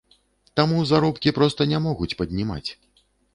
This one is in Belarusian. Таму заробкі проста не могуць паднімаць.